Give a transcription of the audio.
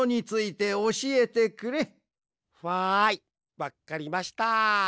わっかりました。